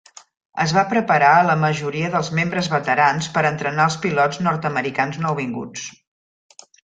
Es va preparar a la majoria dels membres veterans per entrenar als pilots nord-americans nouvinguts.